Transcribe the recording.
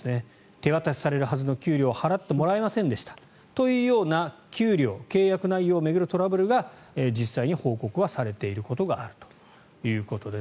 手渡しされるはずの給料を払ってもらえませんでしたというような給料、契約内容を巡るトラブルが実際に報告はされていることがあるということです。